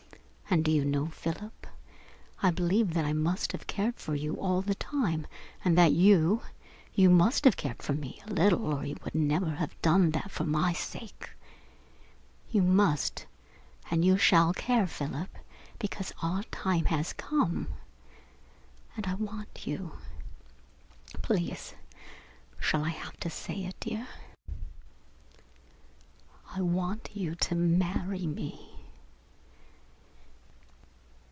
And do you know, Philip, I believe that I must have cared for you all the time, and you you must have cared for me a little or you would never have done that for my sake. You must and you shall care, Philip, because our time has come, and I want you, please shall I have to say it, dear? I want you to marry me."